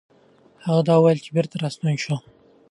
هغه دا وويل او بېرته راستون شو.